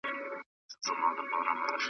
نن خمار یمه راغلی پیمانې چي هېر مي نه کي .